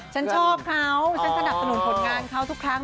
ฉันชอบเขาฉันสนับสนุนผลงานเขาทุกครั้ง